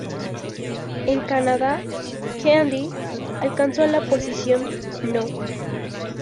En Canadá "Candy" alcanzó la posición No.